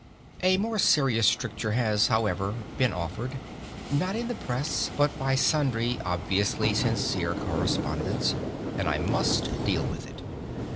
A more serious stricture has, however, been offered not in the press, but by sundry obviously sincere correspondents and I must deal with it.